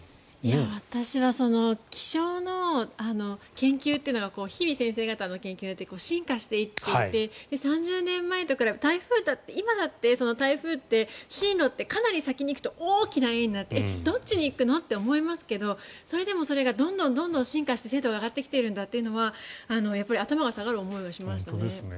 私は気象の研究というのが日々、先生方の研究によって進化していって３０年前と比べて、今だって台風って進路ってかなり先に行くと大きな円になってどっちに行くの？って思いますけどそれでもそれがどんどん進化して精度が上がってきているんだというのはやっぱり頭が下がる思いはしましたね。